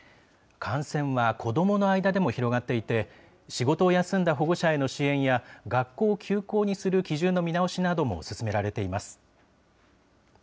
感染は子どもの間でも広がっていて、仕事を休んだ保護者への支援や、学校を休校にする基準の見直しなども進められています。